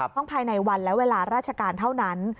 ภายในวันและเวลาราชการเท่านั้น